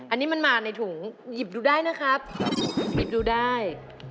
อันนี้มันมาในถุงหยิบดูได้นะครับหยิบดูได้